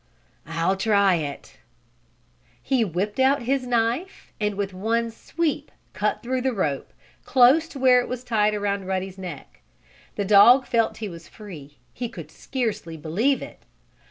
I'll try it." He whipped out his knife, and, with one sweep, cut through the rope, close to where it was tied around Ruddy's neck. The dog felt that he was free. He could scarcely believe it.